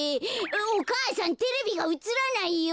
お母さんテレビがうつらないよ。